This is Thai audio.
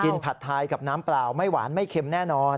ผัดไทยกับน้ำเปล่าไม่หวานไม่เค็มแน่นอน